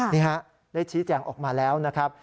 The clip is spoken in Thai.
นี่ฮะได้ชี้แจงออกมาแล้วนะครับ